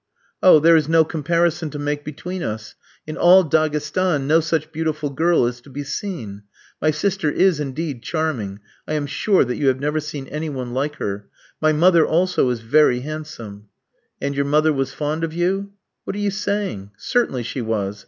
"Oh, there is no comparison to make between us. In all Daghestan no such beautiful girl is to be seen. My sister is, indeed, charming. I am sure that you have never seen any one like her. My mother also is very handsome." "And your mother was fond of you?" "What are you saying? Certainly she was.